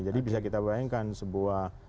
jadi bisa kita bayangkan sebuah gerak kebangsaan